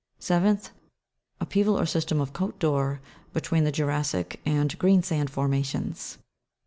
7th, or system of Cote d'Or, between the jura'ssic and greensand formations.